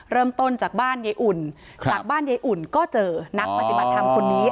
เริ่มต้นจากบ้านยายอุ่นจากบ้านยายอุ่นก็เจอนักปฏิบัติธรรมคนนี้